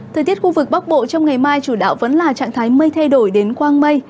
thời tiết khu vực bắc bộ trong ngày mai chủ đạo vẫn là trạng thái mây thay đổi đến quang mây